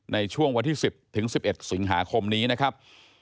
ในช่วงวันที่๑๐ถึง๑๑สิงหาคมนี้นะครับ